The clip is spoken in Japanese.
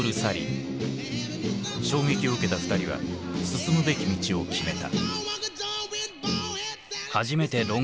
衝撃を受けた２人は進むべき道を決めた。